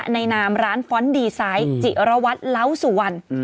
นามร้านฟ้อนต์ดีไซน์จิระวัตรเล้าสุวรรณ